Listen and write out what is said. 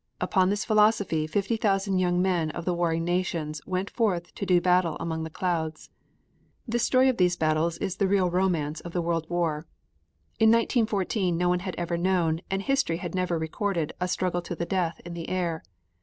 Upon this philosophy fifty thousand young men of the warring nations went forth to do battle among the clouds. The story of these battles is the real romance of the World War. In 1914 no one had ever known and history had never recorded a struggle to the death in the air.